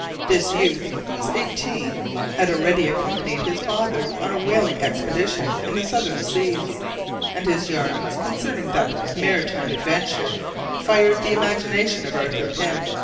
This youth, who was eighteen, had already accompanied his father on a whaling expedition in the southern seas, and his yarns concerning that maritime adventure fired the imagination of Arthur Pym.